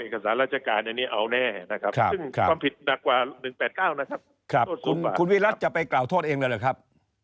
ครับคุณวิรัติจะไปกล่าวโทษเองเลยหรือครับ